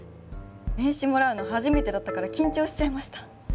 名刺もらうの初めてだったから緊張しちゃいました。